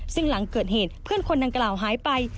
ซึ่งหลังเกิดเหตุเพื่อนคนดังกล่าวหายไป